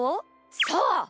そう！